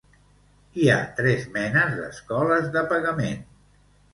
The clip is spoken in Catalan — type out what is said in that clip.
Hi ha tres menes d'escoles de pagament.